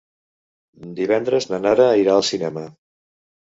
Divendres na Nara irà al cinema.